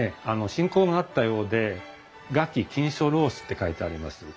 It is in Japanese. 親交があったようで「臥起弄琴書」って書いてあります。